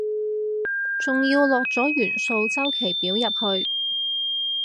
仲要落咗元素週期表入去